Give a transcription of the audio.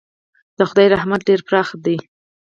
د خدای رحمت ډېر پراخه دی.